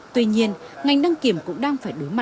tuy nhiên ngành đăng kiểm cũng đang phải đổi dưới đơn vị